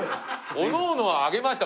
おのおのは挙げました